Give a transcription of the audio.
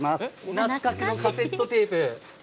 懐かしのカセットテープ